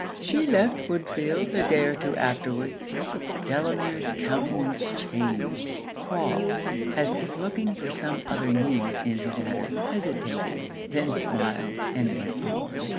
She left Woodfield a day or two afterwards.' Delamere's countenance changed. Crofts, as if looking for some other news in his letter, hesitated, then smiled, and went on.